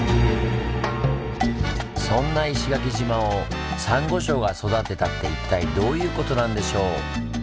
そんな石垣島をサンゴ礁が育てたって一体どういうことなんでしょう？